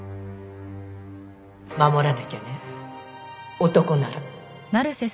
守らなきゃね男なら。